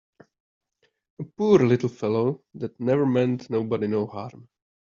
A poor little fellow that never meant nobody no harm!